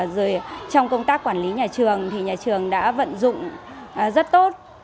rồi trong công tác quản lý nhà trường thì nhà trường đã vận dụng rất tốt